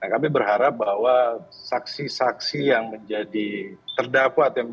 kami berharap bahwa saksi saksi yang menjadi terdakwa